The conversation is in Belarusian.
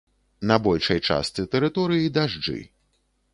На большай частцы тэрыторыі дажджы.